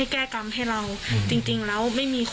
มีข้อมูลาพอสิ่งที่ไม่มี